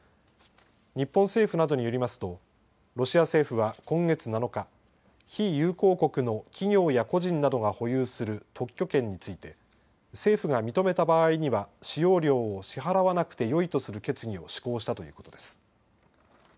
日本政府などによりますとロシア政府は今月７日、非友好国の企業や個人などが保有する特許権について政府が認めた場合には使用料を支払わなくてよいとする決議を施行したということです。